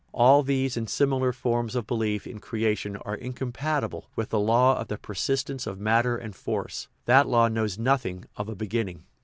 All these and similar forms of belief in creation are incompatible with the law of the persistence of matter and force; that law knows nothing of a beginning.